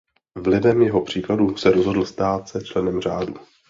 Vlivem jeho příkladu se rozhodl stát se členem řádu.